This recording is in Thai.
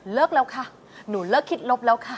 แล้วค่ะหนูเลิกคิดลบแล้วค่ะ